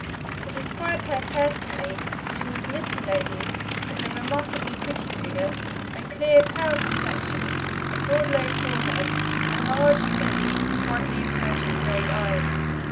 To describe her personally, she was a little lady, with a remarkably pretty figure, a clear pale complexion, a broad low forehead, and large, steady, brightly intelligent gray eyes.